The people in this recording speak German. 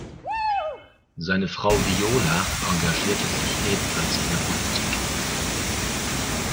Seine Frau Viola engagierte sich ebenfalls in der Politik.